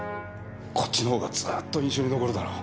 こっちのほうがずーっと印象に残るだろう。